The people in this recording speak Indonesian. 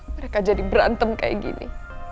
mereka jadi berantem kayak gini